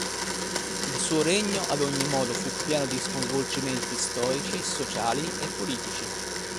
Il suo regno ad ogni modo fu pieno di sconvolgimenti storici, sociali e politici.